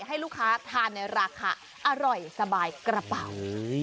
ให้ลูกค้าทานในราคาอร่อยสบายกระเป๋า